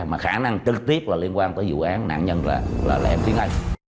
mà khả năng trực tiếp liên quan tới vụ án nạn nhân là lệm tiến hành